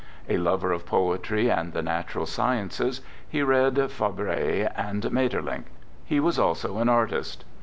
A lover of poetry and the natural sciences, he read Fabre and Maeterlinck. He was also an artist.